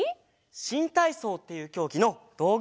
しんたいそうっていうきょうぎのどうぐ。